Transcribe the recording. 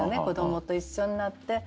子どもと一緒になって。